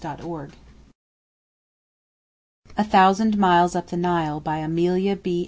[Title Page] A THOUSAND MILES UP THE NILE BY AMELIA B.